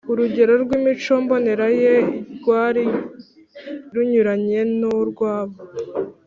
. Urugero rw’imico mbonera Ye rwari runyuranye n’urwabo